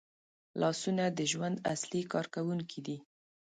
لاسونه د ژوند اصلي کارکوونکي دي